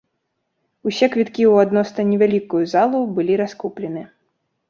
Усе квіткі ў адносна невялікую залу былы раскуплены.